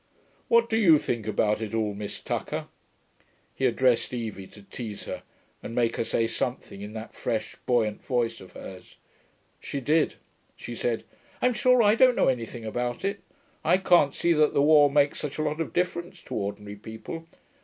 What do you think about it all, Miss Tucker?' He addressed Evie, to tease her, and make her say something in that fresh, buoyant voice of hers. She did. She said, 'I'm sure I don't know anything about it. I can't see that the war makes such a lot of difference, to ordinary people.